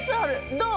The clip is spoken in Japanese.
どう？